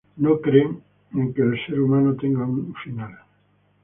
No creen en que el ser humano tenga un final.